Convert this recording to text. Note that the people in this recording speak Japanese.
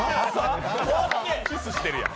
キスしてるやん。